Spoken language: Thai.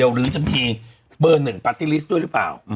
หรือจะมีเบอร์๑ปาร์ตี้ลิสต์ด้วยหรือเปล่า